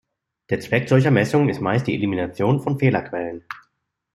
Der Zweck solcher Messungen ist meist die Elimination von Fehlerquellen.